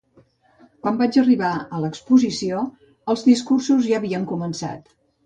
Quan vaig arribar a l’exposició, els discursos ja havien començat.